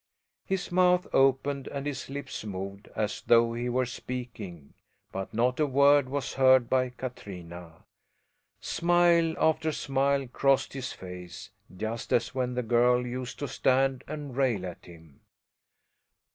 His mouth opened and his lips moved as though he were speaking, but not a word was heard by Katrina. Smile after smile crossed his face, just as when the girl used to stand and rail at him.